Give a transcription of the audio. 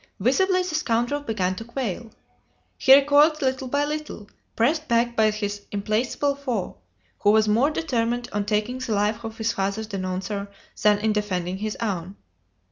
Visibly the scoundrel began to quail. He recoiled little by little, pressed back by his implacable foe, who was more determined on taking the life of his father's denouncer than in defending his own.